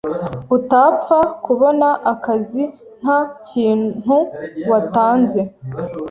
utapfa kubona akazi nta kintu watanze.